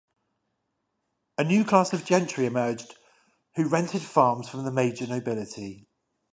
A new class of gentry emerged who rented farms from the major nobility.